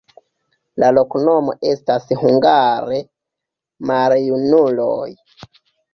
La loknomo estas hungare: maljunuloj.